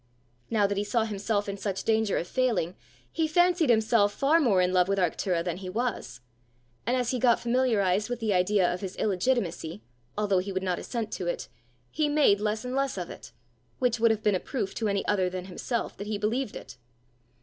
Now that he saw himself in such danger of failing, he fancied himself far more in love with Arctura than he was. And as he got familiarized with the idea of his illegitimacy, although he would not assent to it, he made less and less of it which would have been a proof to any other than himself that he believed it.